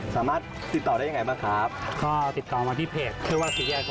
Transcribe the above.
สามารถติดต่อบร้อย